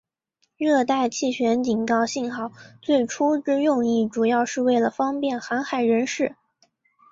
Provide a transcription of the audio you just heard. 热带气旋警告信号最初之用意主要是为了方便航海人士。